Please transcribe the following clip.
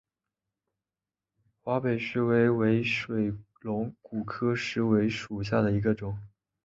华北石韦为水龙骨科石韦属下的一个种。